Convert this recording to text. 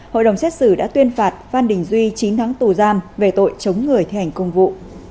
hội đồng xét xử đã tuyên phạt phan đình duy chín tháng tù giam về tội chống người thi hành công vụ